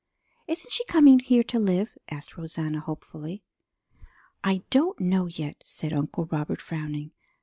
"Isn't she coming here to live?" asked Rosanna hopefully. "I don't know yet," said Uncle Robert, frowning.